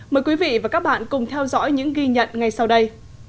mời quý vị và các bạn cùng theo dõi những ghi nhận ngay sau đây